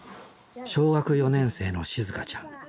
小学４年生のしずかちゃん。